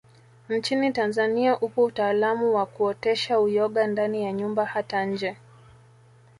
Nchini Tanzania upo utaalamu wakuotesha uyoga ndani ya nyumba hata nje